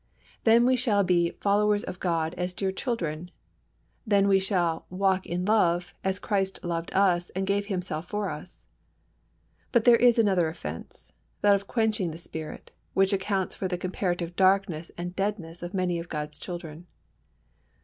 Then we shall be "followers of God as dear children," then we shall "walk in love as Christ loved us, and gave Himself for us." But there is another offence, that of quenching the Spirit, which accounts for the comparative darkness and deadness of many of God's children.